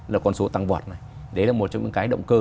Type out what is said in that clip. là con số tăng vọt này đấy là một trong những cái động cơ